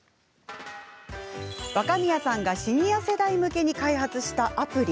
若宮さんがシニア世代向けに開発したアプリ。